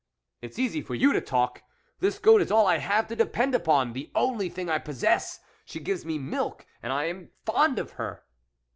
" It's easy for you to talk. This goat is all I have to depend upon, the only thing I possess. '_ She gives me milk, and I am fond of her."